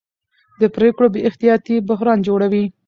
د پرېکړو بې احتیاطي بحران جوړوي